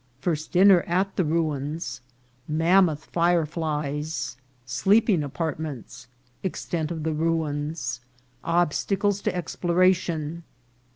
— First Dinner at the Ru ins. — Mammoth Fireflies. — Sleeping Apartments. — Extent of the Ruins.— Ob stacles to Exploration.